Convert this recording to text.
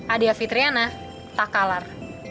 adia fitriana takalar